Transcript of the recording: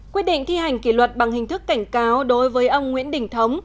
quyết định thi hành kỷ luật bằng hình thức cảnh cáo đối với ông nguyễn đình thống